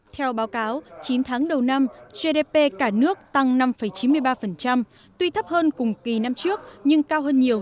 theo báo cáo chín tháng đầu năm gdp cả nước tăng năm chín mươi ba tuy thấp hơn cùng kỳ năm trước nhưng cao hơn nhiều